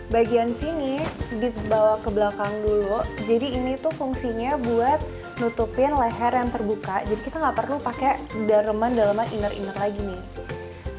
bagian sini dibawa ke belakang dulu jadi ini tuh fungsinya buat nutupin leher yang terbuka jadi kita nggak perlu pakai dareman daleman inner iner lagi nih